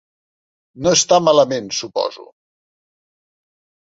No està malament, suposo.